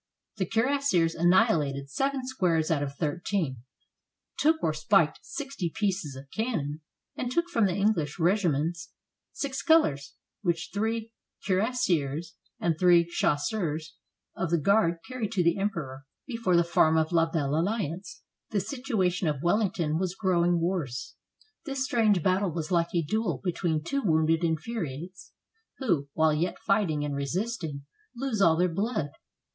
The cuirassiers annihilated seven squares out of thir teen, took or spiked sixty pieces of cannon, and took from the English regiments six colors, which three cui rassiers and three chasseurs of the guard carried to the Emperor before the farm of La Belle Alliance. The situation of Wellington was growing worse. This strange battle was like a duel between two wounded infuriates, who, while yet fighting and resisting, lose all their blood.